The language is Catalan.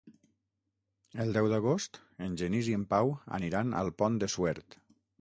El deu d'agost en Genís i en Pau aniran al Pont de Suert.